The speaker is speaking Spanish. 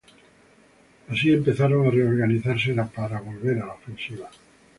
Así empezaron a reorganizarse para volver a la ofensiva.